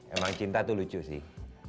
emang cinta tuh lucu sih